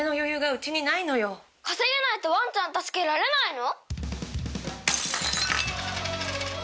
稼げないとワンちゃん助けられないの？